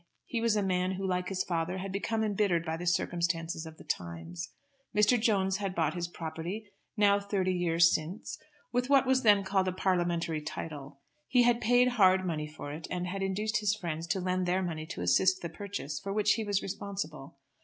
He was a man who like his father had become embittered by the circumstances of the times. Mr. Jones had bought his property, now thirty years since, with what was then called a parliamentary title. He had paid hard money for it, and had induced his friends to lend their money to assist the purchase, for which he was responsible.